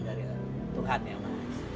dari tuhan ya